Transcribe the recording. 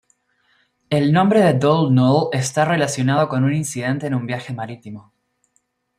El nombre de Dhul-Nun está relacionado con un incidente en un viaje marítimo.